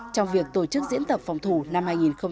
trong việc tổ chức diễn tập phòng thủ năm hai nghìn một mươi chín